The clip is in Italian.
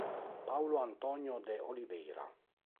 Paulo Antônio de Oliveira